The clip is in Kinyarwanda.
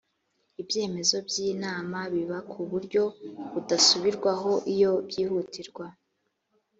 ibyemezo by inama biba ku buryo budasubirwaho iyo byihutirwa